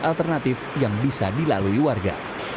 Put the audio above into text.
alternatif yang bisa dilalui warga